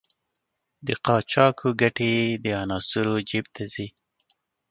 د قاچاقو ګټې د عناصرو جېب ته ځي.